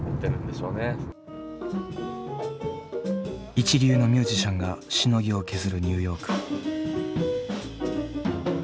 一流のミュージシャンがしのぎを削るニューヨーク。